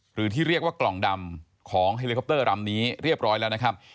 หรือที่เรียกว่ากล่องดำของเฮลิคอปเตอร์ลำนี้เรียบร้อยแล้วนะครับ